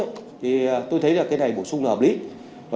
thì tôi thấy là cái này bổ sung là hợp lý